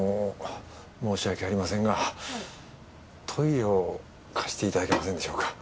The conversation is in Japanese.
申し訳ありませんがトイレを貸していただけませんでしょうか。